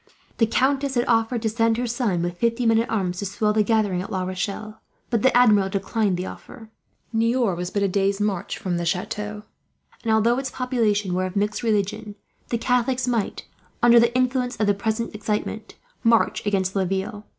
The countess had offered to send her son, with fifty men at arms, to swell the gathering at La Rochelle; but the Admiral declined the offer. Niort was but a day's march from the chateau and, although its population were of mixed religion, the Catholics might, under the influence of the present excitement, march against Laville.